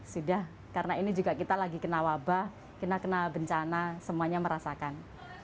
sudah karena ini juga kita lagi kena wabah kena kena bencana semuanya merasakan